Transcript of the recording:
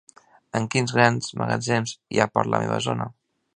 Em dius quins grans magatzems hi ha per la meva zona?